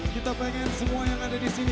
kita pengen semua yang ada disini